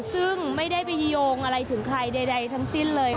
ซึ่งไม่ได้ไปโยงอะไรถึงใครใดทั้งสิ้นเลย